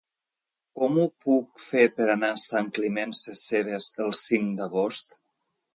Com ho puc fer per anar a Sant Climent Sescebes el cinc d'agost?